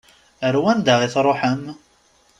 Ar wanda i tṛuḥem?